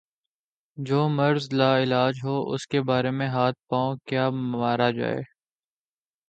جو مرض لا علاج ہو اس کے بارے میں ہاتھ پاؤں کیا مارا جائے۔